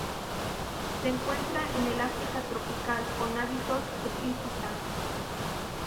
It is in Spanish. Se encuentra en el África tropical con hábitos epífita.